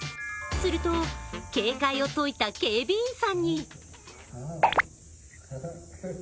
すると、警戒を解いた警備員さんに！